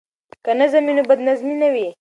که نظم وي نو بد نظمي نه وي.